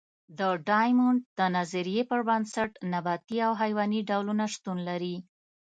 د ډایمونډ د نظریې پر بنسټ نباتي او حیواني ډولونه شتون لري.